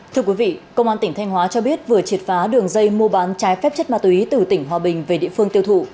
thưa quý vị công an tỉnh thanh hóa cho biết vừa triệt phá đường dây mua bán trái phép chất ma túy từ tỉnh hòa bình về địa phương tiêu thụ